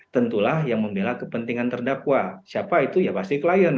tentulah yang membela kepentingan terdakwa siapa itu ya pasti klien